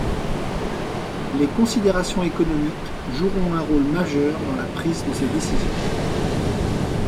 Les considérations économiques joueront un rôle majeur dans la prise de ces décisions.